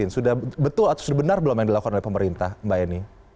sudah betul atau sudah benar belum yang dilakukan oleh pemerintah mbak eni